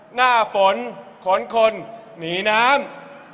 หน้าฝนขนคนหนีน้ำ